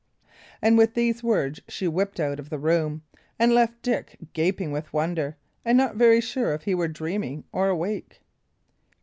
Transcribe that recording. And with these words, she whipped out of the room and left Dick gaping with wonder, and not very sure if he were dreaming or awake.